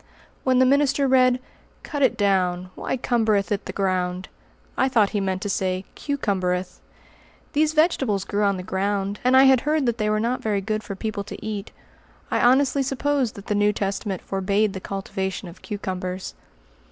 When the minister read, "Cut it down: why cumbereth it the ground?"? I thought he meant to say "cu cumbereth." These vegetables grew on the ground, and I had heard that they were not very good for people to eat. I honestly supposed that the New Testament forbade the cultivation of cucumbers.